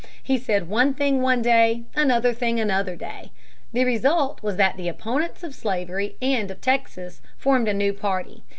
He said one thing one day, another thing another day. The result was that the opponents of slavery and of Texas formed a new party.